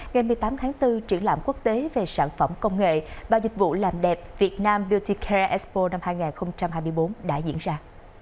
ngày một mươi tám tháng bốn triển lãm quốc tế về sản phẩm công nghệ và dịch vụ làm đẹp việt nam beauty care expo năm hai nghìn hai mươi bốn đã diễn ra